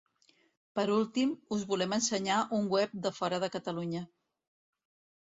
Per últim, us volem ensenyar un web de fora de Catalunya.